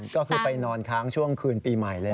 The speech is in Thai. ก็คือไปนอนค้างช่วงคืนปีใหม่เลย